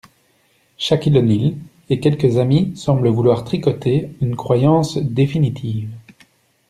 Shaquille O'Neal et quelques amis semblent vouloir tricoter une croyance définitive.